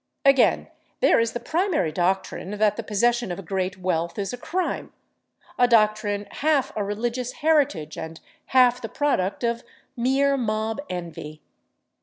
Again, there is the primary doctrine that the possession of great wealth is a crime—a doctrine half a religious heritage and half the product of mere mob envy.